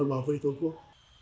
để bảo vệ tổ quốc